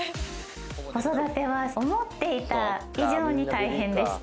子育ては思っていた以上に大変でした。